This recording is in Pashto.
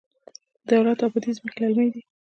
د دولت اباد ځمکې للمي دي